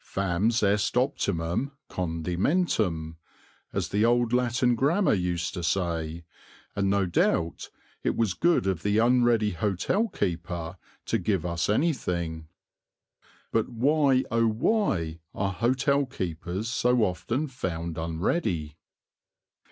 Fames est optimum condimentum, as the old Latin Grammar used to say, and no doubt it was good of the unready hotel keeper to give us anything. But why, O why, are hotel keepers so often found unready?